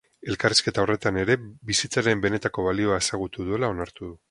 Elkarrizketa horretan ere bizitzaren benetako balioa ezagutu duela onartu du.